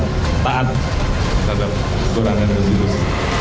kita taat kita turunan dan berjurus